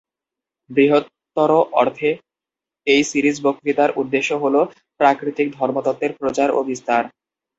বৃহত্তর অর্থে এই সিরিজ বক্তৃতার উদ্দেশ্য হলো প্রাকৃতিক ধর্মতত্ত্বের প্রচার ও বিস্তার।